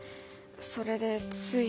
それでつい。